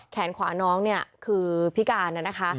แขนขวาน้องเนี่ยคือพิการนะคะ